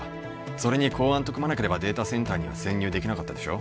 それに公安と組まなければデータセンターには潜入できなかったでしょ